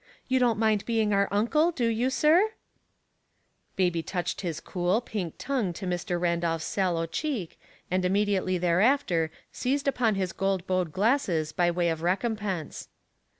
You don't mind being our uncle, do you, sir ?" Baby touched his cool, pink tongue to Mr. Randolph's sallow cheek, and immediately there after seized upon his gold bowed glasses by way of recompense.